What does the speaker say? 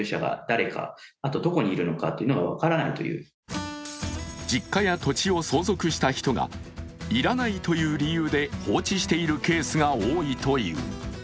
専門家は実家や土地を相続した人が要らないという理由で放置しているケースが多いという。